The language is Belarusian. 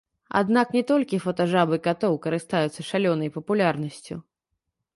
Аднак, не толькі фотажабы катоў карыстаюцца шалёнай папулярнасцю.